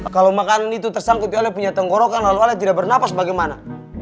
kalo makanan itu tersangkut ya ala punya tenggorokan lalu ala tidak bernapas bagaimana